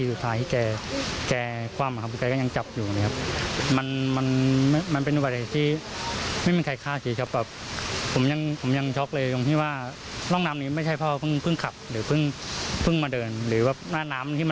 หรือว่าอุบัติว่าน้ำนี้มันแรงและพ่อก็เพิ่งมาเดิน